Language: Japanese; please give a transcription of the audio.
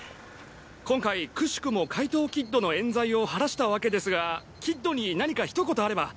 今回奇しくも怪盗キッドの冤罪を晴らした訳ですがキッドに何か一言あれば？